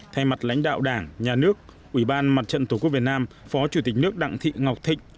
thay mặt lãnh đạo đảng nhà nước ủy ban mặt trận tổ quốc việt nam phó chủ tịch nước đặng thị ngọc thịnh